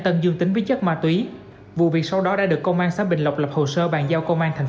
tân dương tính với chất ma túy vụ việc sau đó đã được công an xã bình lộc lập hồ sơ bàn giao công an thành